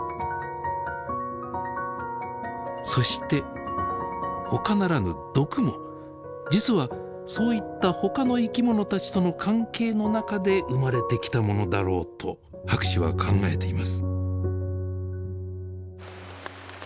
そして他ならぬ毒も実はそういった他の生きものたちとの関係の中で生まれてきたものだろうと博士は考えています。